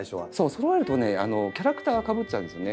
そろえるとねキャラクターがかぶっちゃうんですよね。